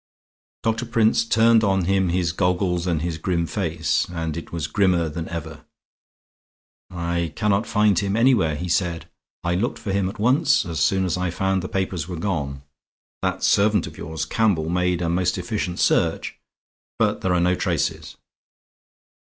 Doctor Prince turned on him his goggles and his grim face; and it was grimmer than ever. "I cannot find him anywhere," he said. "I looked for him at once, as soon as I found the papers were gone. That servant of yours, Campbell, made a most efficient search, but there are no traces."